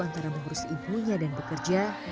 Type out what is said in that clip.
antara mengurus ibunya dan bekerja